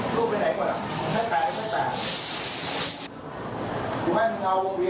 ตอบสิ